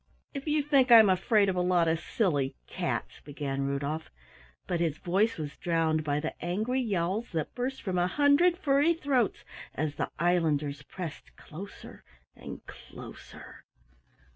"If you think I'm afraid of a lot of silly cats " began Rudolf, but his voice was drowned by the angry yowls that burst from a hundred furry throats as the islanders pressed closer and closer.